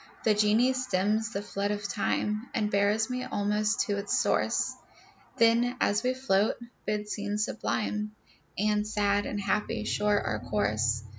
The geni stems the flood of time, And bears me almost to its source; Then as we float, bids scenes sublime And sad and happy shore our course.